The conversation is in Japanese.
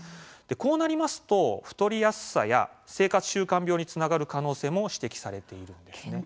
こうなりますと、太りやすさや生活習慣病につながる可能性も指摘されているんですね。